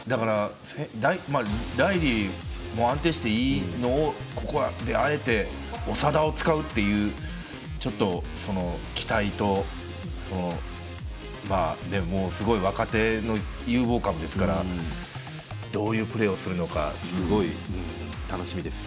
ライリーも安定していいのをここで、あえて長田を使うってちょっと期待とすごい若手の有望株ですからどういうプレーをするのかすごい楽しみです。